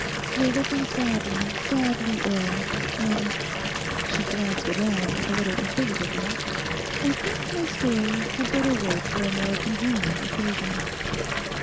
—you're looking sadly, sadly ill; and,' she glanced round a little inquisitively, 'I think my story had better wait for a more convenient occasion.